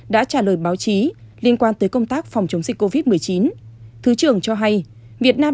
đã trả lời báo chí liên quan tới công tác phòng chống dịch covid một mươi chín thứ trưởng cho hay việt nam